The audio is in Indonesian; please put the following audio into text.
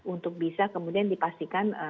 untuk bisa kemudian dipastikan